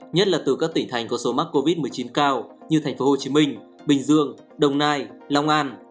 nhất là từ các tỉnh thành có số mắc covid một mươi chín cao như thành phố hồ chí minh bình dương đồng nai long an